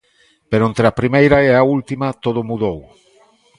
Pero entre a primeira e a última todo mudou.